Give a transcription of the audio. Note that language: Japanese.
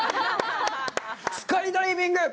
スカイダイビング！